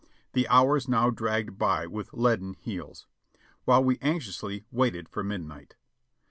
The hours now dragged by with leaden heels, while we anxiously waited for midnight.